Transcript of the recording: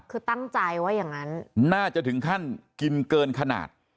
คือตั้งใจว่าอย่างนั้นน่าจะถึงขั้นกินเกินขนาด